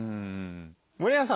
森永さん